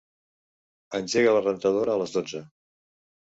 Engega la rentadora a les dotze.